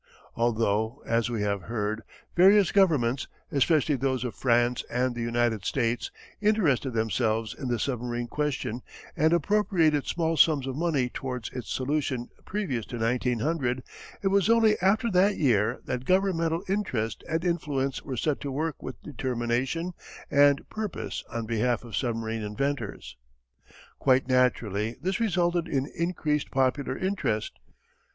Although, as we have heard, various governments, especially those of France and the United States, interested themselves in the submarine question and appropriated small sums of money towards its solution previous to 1900, it was only after that year that governmental interest and influence were set to work with determination and purpose on behalf of submarine inventors. Quite naturally this resulted in increased popular interest.